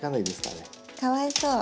かわいそう。